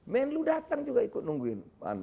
menlu datang juga ikut nungguin